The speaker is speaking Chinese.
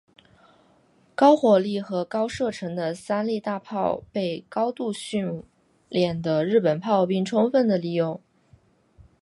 高火力和高射程的三笠大炮被高度训练的日本炮兵充分地利用了。